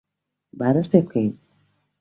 با دەست پێ بکەین!